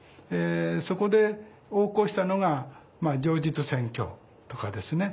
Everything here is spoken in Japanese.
そこで横行したのが情実選挙とかですね